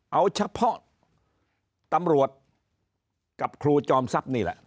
เอาเฉพาะตำรวจกับครูจอมทรัพย์นี่แหละ